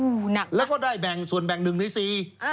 อู้วหนักปะแล้วก็ได้ส่วนแบ่ง๑ใน๔